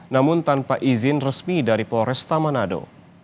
namun tanpa izin resmi dari polres tamanado